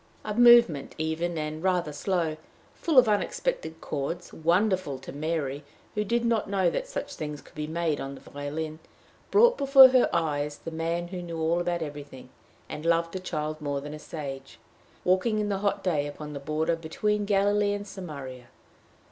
A movement even and rather slow, full of unexpected chords, wonderful to Mary, who did not know that such things could be made on the violin, brought before her mind's eye the man who knew all about everything, and loved a child more than a sage, walking in the hot day upon the border be tween Galilee and Samaria.